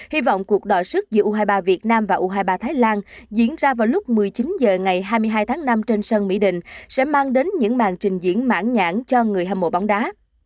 hy vọng cuộc đòa sức giữa u hai mươi ba việt nam và u hai mươi ba thái lan diễn ra vào lúc một mươi chín h ngày hai mươi hai tháng năm trên sân mỹ đình sẽ mang đến những màn trình diễn mãn nhãn cho người hâm mộ bóng đá